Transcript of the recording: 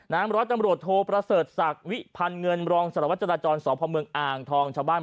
ร้อยตำรวจโทประเสริฐศักดิ์วิพันธ์เงินรองสารวัตจราจรสพเมืองอ่างทองชาวบ้าน